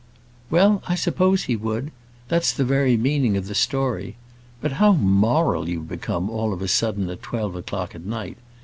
"Well, I suppose he would. That's the very meaning of the story. But how moral you've become all of a sudden at twelve o'clock at night!